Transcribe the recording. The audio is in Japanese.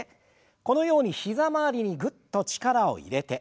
このように膝周りにぐっと力を入れて。